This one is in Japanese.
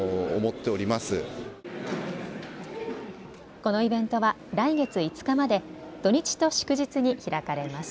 このイベントは来月５日まで土日と祝日に開かれます。